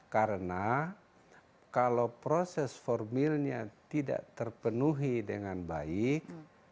karena kalau proses formilnya tidak terpenuhi dengan baik